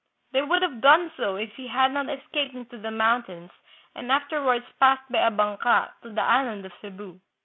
They would have done so if he had not escaped into tKe mountains and afterwards passed by a banka to the island of Cebu.